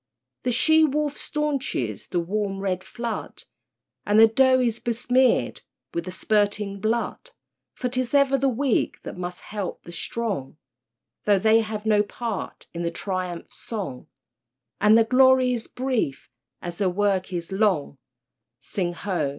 The she wolf staunches the warm red flood, And the doe is besmeared with the spurting blood, For 'tis ever the weak that must help the strong, Though they have no part in the triumph song, And their glory is brief as their work is long— (Sing ho!